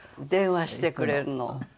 電話してくれるの。